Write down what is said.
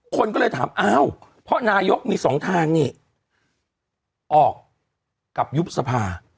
คนก็เลยถามอ้าวเพราะนายกมีสองทางนี่ออกกับยุบสภา